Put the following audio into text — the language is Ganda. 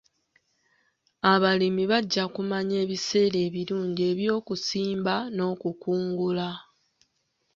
Abalimi bajja kumanya ebiseera ebirungi eby'okusimba n'okukungula.